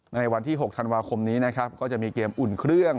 ในวันที่๖ธันวาคมนี้นะครับก็จะมีเกมอุ่นเครื่อง